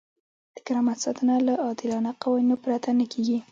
د کرامت ساتنه له عادلانه قوانینو پرته نه کیږي.